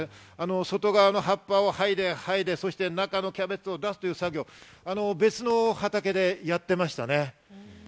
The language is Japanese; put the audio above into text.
外側の葉っぱをはいではいで、中のキャベツを出すという作業、別の畑でやっていましたね。